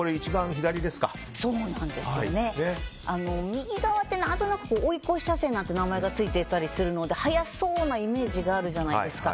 右側って何となく追い越し車線なんていう名前がついていたりするので早そうなイメージがあるじゃないですか。